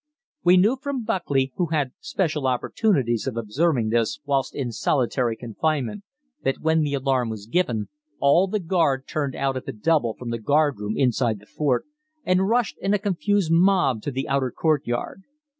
We knew from Buckley, who had special opportunities of observing this whilst in solitary confinement, that when the alarm was given, all the guard turned out at the double from the guardroom inside the fort and rushed in a confused mob to the outer courtyard.